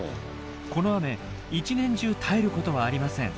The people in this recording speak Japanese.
この雨一年中絶えることはありません。